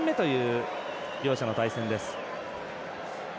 チリは２戦目という両者の対戦です。